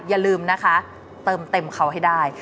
อย่าลืมนะคะเติมเต็มเขาให้ได้